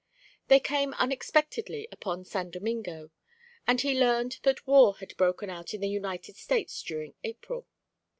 They came unexpectedly upon San Domingo; and he learned that war had broken out in the United States during April.